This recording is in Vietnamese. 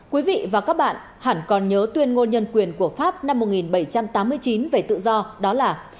quý vị và các bạn hẳn còn nhớ tuyên ngôn nhân quyền của pháp năm một nghìn bảy trăm tám mươi chín về tự do đó là